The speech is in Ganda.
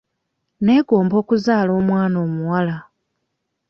Neegomba okuzaala omwana omuwala.